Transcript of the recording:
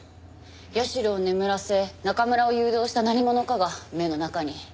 八代を眠らせ中村を誘導した何者かが目の中に。